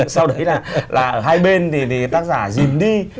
sau đấy là ở hai bên thì tác giả dìm đi